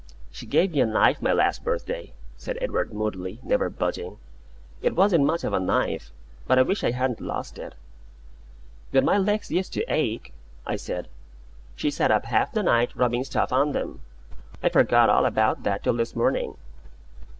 "She gave me a knife my last birthday," said Edward, moodily, never budging. "It wasn't much of a knife but I wish I hadn't lost it." "When my legs used to ache," I said, "she sat up half the night, rubbing stuff on them. I forgot all about that till this morning."